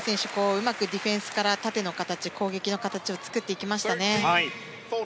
うまくディフェンスから縦の形、攻撃の形を作っていきましたね。